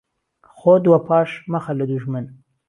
خۆت وەپاش مەخە لە دووژمن